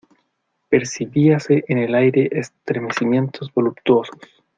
percibíase en el aire estremecimientos voluptuosos.